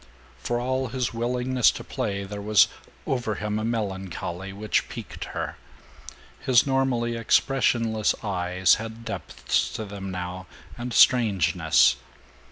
For all his willingness to play there was over him a melancholy which piqued her. His normally expressionless eyes had depths to them now, and strangeness.